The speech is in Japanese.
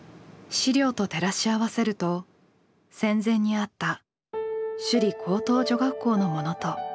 資料と照らし合わせると戦前にあった「首里高等女学校」のものと一致しました。